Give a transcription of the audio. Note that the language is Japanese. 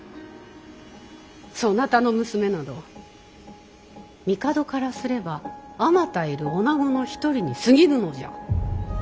そなたの娘など帝からすればあまたいる女子の一人にすぎぬのじゃ。